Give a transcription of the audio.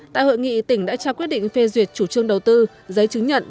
tại hội nghị tỉnh đã trao quyết định phê duyệt chủ trương đầu tư giấy chứng nhận